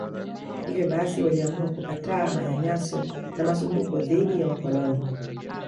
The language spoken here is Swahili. Hivyo basi waliamua kukataa manyanyaso na masumbuko dhidi ya wakoloni